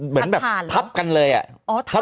เหมือนแบบทับกันเลยอะ